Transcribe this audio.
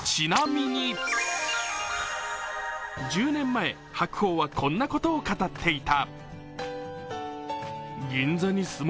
１０年前、白鵬はこんなことを語っていた。